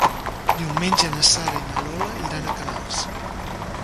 Diumenge na Sara i na Lola iran a Canals.